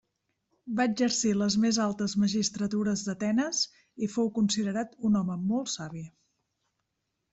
Va exercir les més altes magistratures d'Atenes i fou considerat un home molt savi.